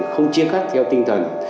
không chia cắt theo tinh thần